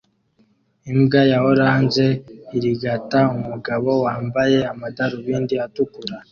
Imbwa ya orange irigata umugabo wambaye amadarubindi atukura